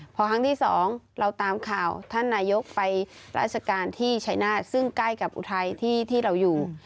พอครั้งที่สองเราตามข่าวท่านนายกไปราชการที่ชัยนาธิ์ซึ่งใกล้กับอุทัยที่เราอยู่